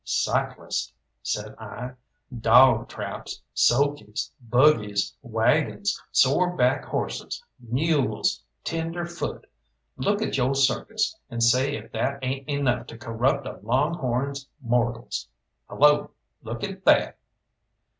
"Cyclists," says I, "dawg traps, sulkies, buggies, waggons, sore back horses, mules, tenderfoot look at yo' circus and say if that ain't enough to corrupt a long horn's mortals. Hello, look at that!"